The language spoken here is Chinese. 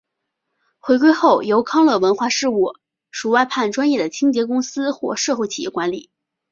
回归后由康乐文化事务署外判专业的清洁公司或社会企业管理。